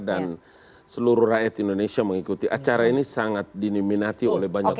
dan seluruh rakyat indonesia mengikuti acara ini sangat diniminati oleh banyak orang